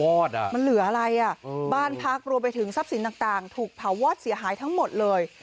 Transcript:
มันเหลืออะไรอ่ะบ้านพักรวมไปถึงทรัพย์สินต่างถูกเผาวอดเสียหายทั้งหมดเลย